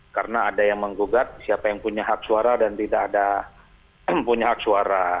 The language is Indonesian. karena ada yang menggugat siapa yang punya hak suara dan tidak ada punya hak suara